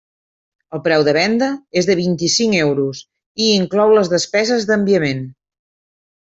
El preu de venda és de vint-i-cinc euros i inclou les despeses d'enviament.